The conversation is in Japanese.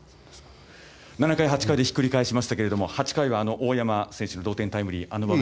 ７回、８回でひっくり返しましたけど８回は大山選手同点タイムリー、あの場面